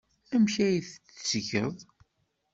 Amek ay t-tettgeḍ?